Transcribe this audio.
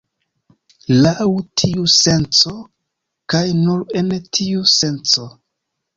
Laŭ tiu senco, kaj nur en tiu senco.